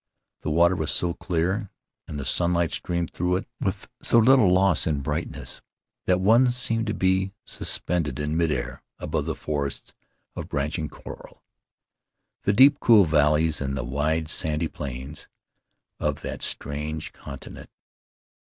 The water was so clear, and the sunlight streamed through it with so little loss in brightness that one seemed to be sus pended in mid air above the forests of branching coral, the deep, cool valleys, and the wide, sandy plains of that strange continent.